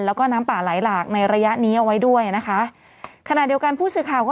แล้วก็น้ำป่าไหลหลากในระยะนี้เอาไว้ด้วยนะคะขณะเดียวกันผู้สื่อข่าวก็